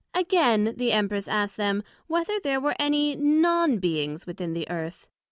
Again, the Empress asked them, whether there were any Non beings within the Earth?